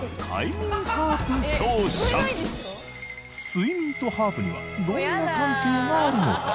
睡眠とハープにはどんな関係があるのか？